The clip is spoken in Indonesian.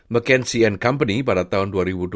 mckinsey company pada tahun dua ribu dua puluh satu